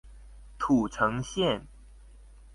土城線